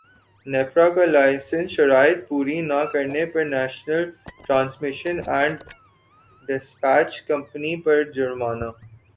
نیپرا کا لائسنس شرائط پوری نہ کرنے پر National Transmission and Despatch Company پر جرمانہ